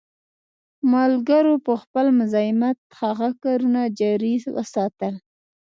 ملګرو په خپل مزاحمت هغه کارونه جاري وساتل.